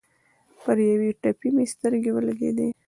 پر یوې تپې مې سترګې ولګېدې.